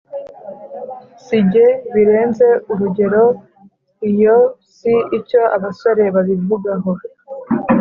sige birenze urugero Iyo wisiIcyo abasore babivugaho